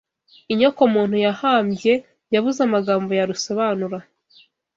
inyokomuntu yahabye, yabuze amagambo yarusobanura